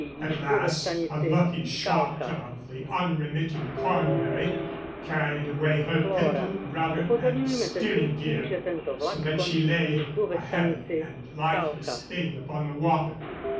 At last a lucky shot of the unremitting Cornbury carried away her pintle, rudder, and steering gear, so that she lay a heavy and lifeless thing upon the water.